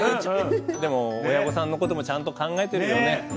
でも、親御さんのこともちゃんと考えてるよね。